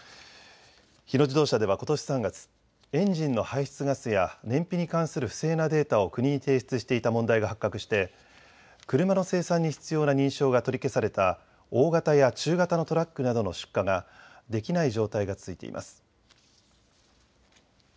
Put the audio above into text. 日野自動車ではことし３月、エンジンの排出ガスや燃費に関する不正なデータを国に提出していた問題が発覚して車の生産に必要な認証が取り消された大型や中型のトラックなどの出荷ができない状態が続いています。